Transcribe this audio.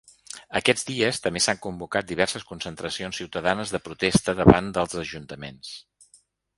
Aquests dies també s’han convocat diverses concentracions ciutadanes de protesta davant dels ajuntaments.